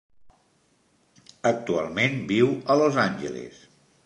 Actualment viu a Los Angeles.